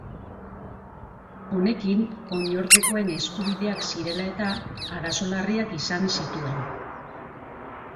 Honekin oinordekoen eskubideak zirela-eta arazo larriak izan zituen.